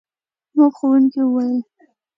زموږ ښوونکي وویل.